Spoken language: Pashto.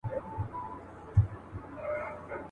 مودې وسوې چا یې مخ نه وو لیدلی !.